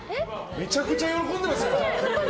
めちゃくちゃ喜んでますよ。